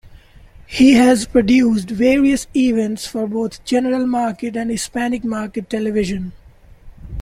He has produced various events for both general market and Hispanic market television.